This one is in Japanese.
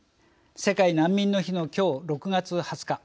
世界難民の日のきょう６月２０日